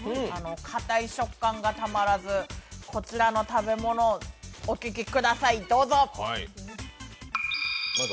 かたい食感がたまらずこちらの食べ物、お聞きください。